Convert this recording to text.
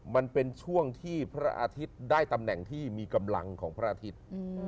มันเป็นช่วงที่พระอาทิตย์ได้ตำแหน่งที่มีกำลังของพระอาทิตย์